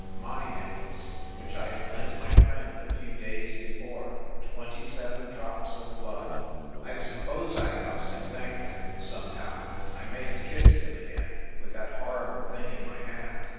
... my necklace, which I had lent my friend a few days before ... twenty seven drops of blood ! I suppose I must have thanked him, somehow. I may have kissed him again, with that horrible thing in my hand.